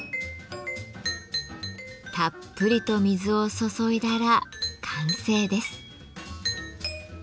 たっぷりと水を注いだら完成です。